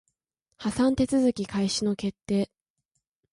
破産手続開始の決定